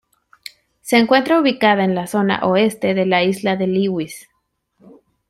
Se encuentra ubicada en la zona oeste de la isla de Lewis.